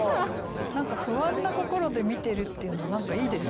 何か不安な心で見てるっていうのは何かいいですね。